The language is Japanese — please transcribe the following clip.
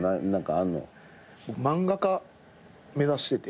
僕漫画家目指してて。